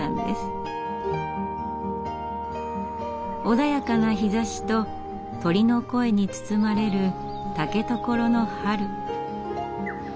穏やかな日ざしと鳥の声に包まれる竹所の春。